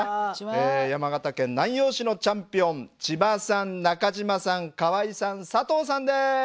山形県南陽市のチャンピオン千葉さん中嶋さん河井さん佐藤さんです！